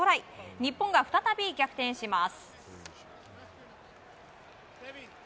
日本が再び逆転します。